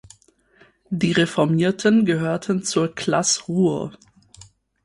Die reformierten gehörten zur "Classe Ruhr".